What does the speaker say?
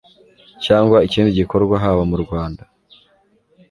cyangwa ikindi gikorwa haba mu rwanda